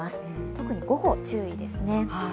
特に午後、注意ですね。